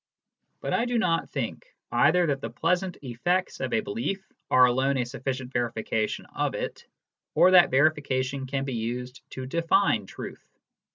But I do not think either that the pleasant effects of a belief are alone a sufficient verification of it, or that verification can be used to define truth.